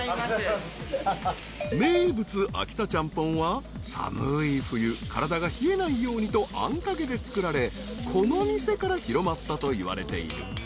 ［名物秋田チャンポンは寒い冬体が冷えないようにとあんかけで作られこの店から広まったといわれている］